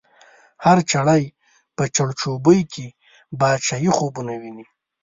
هر چړی په چړچوبۍ کی، باچایې خوبونه وینې